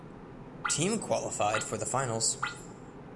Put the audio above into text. Team qualified for the finals